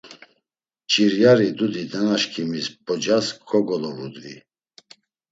Mç̌iryari dudi nanaşǩimis p̌ocas kogolovudvi.